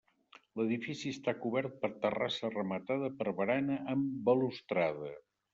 L'edifici està cobert per terrassa rematada per barana amb balustrada.